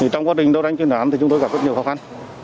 trong quá trình đấu tranh tin nhắn chúng tôi gặp rất nhiều khó khăn